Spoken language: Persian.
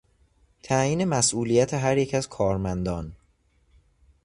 تعیین مسئولیت هر یک از کارمندان